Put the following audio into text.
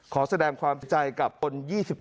ขอแสดงความเสียใจกับคน๒๘